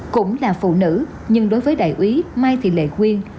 cũng là phụ nữ nhưng đối với đại úy mai thị lệ quyên